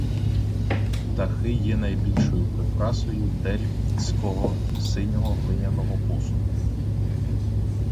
Птахи є найбільшою прикрасою дельфтського синього глиняного посуду.